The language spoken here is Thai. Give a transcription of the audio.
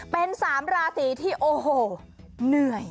เป็น๓ราศีที่โอ้โหเหนื่อย